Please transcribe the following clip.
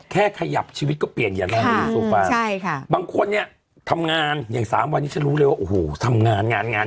แค่ขยับชีวิตก็เปลี่ยนอย่าล่ะ